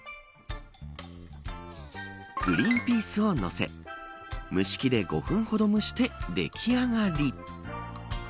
グリーンピースを載せ蒸し器で５分ほど蒸して出来上がり。